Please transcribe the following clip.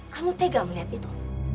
kamu tega melihat itu